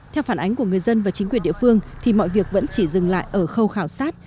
theo phản ánh của người dân và chính quyền địa phương thì mọi việc vẫn chỉ dừng lại ở khâu khảo sát